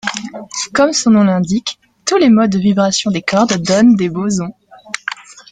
Comme son nom l'indique, tous les modes de vibration des cordes donnent des bosons.